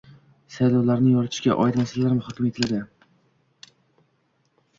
Saylovlarni yoritishga oid masalalar muhokama etildi